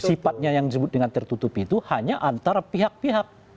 sifatnya yang disebut dengan tertutup itu hanya antara pihak pihak